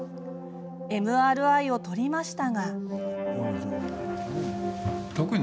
ＭＲＩを撮りましたが。